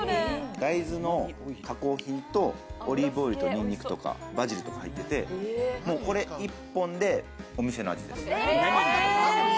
大豆の加工品とオリーブオイルとニンニクとか、バジルとか入ってて、これ１本でお店の味です。